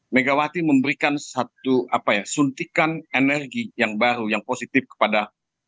megawati memberikan satu suntikan energi yang baru yang positif kepada